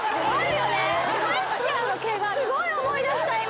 すごい思い出した今。